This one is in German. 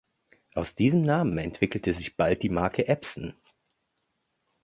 Aus diesem Namen entwickelte sich bald die Marke „Epson“.